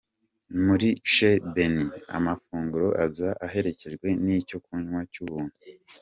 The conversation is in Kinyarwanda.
Muri Chez Benny amafunguro aza aherekejwe n’icyo kunywa cy’ubuntu.